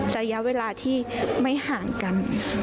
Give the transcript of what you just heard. ระยะเวลาที่ไม่ห่างกัน